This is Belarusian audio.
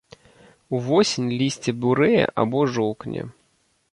Увосень лісце бурэе або жоўкне.